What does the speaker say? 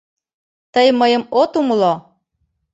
Тый мыйым от умыло?